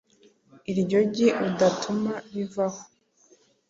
iryo gi udatuma rivaho